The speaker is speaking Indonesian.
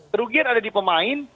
kerugian ada di pemain